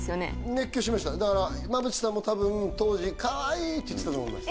熱狂しましただから馬淵さんも多分当時「カワイイ！」って言ってたと思います